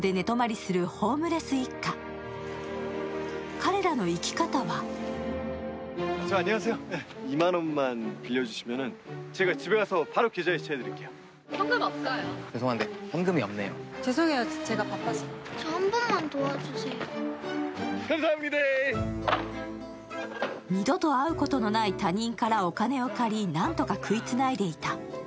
彼らの生き方は二度と会うことのない他人からお金を借り、何とか食いつないでいた。